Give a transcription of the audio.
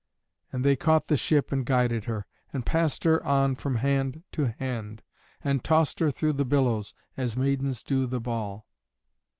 And they caught the ship and guided her, and passed her on from hand to hand, and tossed her through the billows, as maidens do the ball.